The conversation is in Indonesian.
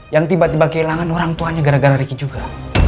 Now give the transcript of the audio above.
yang tiba tiba kehilangan orang tuanya gara gara riki juga